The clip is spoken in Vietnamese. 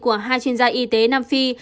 của hai chuyên gia y tế nam phi